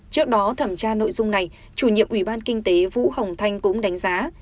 trước đó thẩm tra nội dung này chủ nhiệm ủy ban kinh tế vũ hồng thanh cũng đánh giá